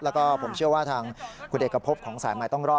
แล้วก็ผมเชื่อว่าทางคุณเดชน์กระพบของสายไม้ต้องรอ